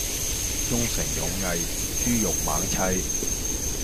忠誠勇毅豬肉猛砌